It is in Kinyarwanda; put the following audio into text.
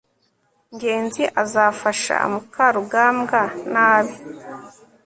ngenzi azafasha mukarugambwa nabi